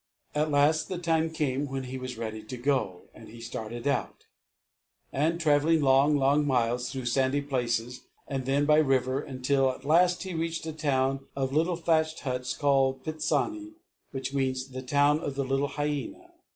At last the time came when he was ready to go; and he started out, and travelled long, long miles through sandy places, and then by a river, until at last he reached a town of little thatched huts called Pitsani, which means "The Town of the Little Hyena."